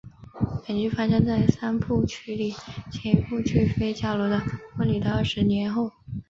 本剧发生在三部曲里前一部剧费加罗的婚礼的二十年后。